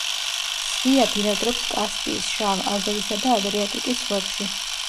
სვია ბინადრობს კასპიის, შავ, აზოვისა და ადრიატიკის ზღვებში.